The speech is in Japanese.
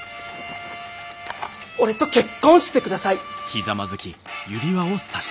俺と結婚してください。